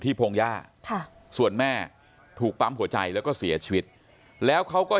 พงหญ้าค่ะส่วนแม่ถูกปั๊มหัวใจแล้วก็เสียชีวิตแล้วเขาก็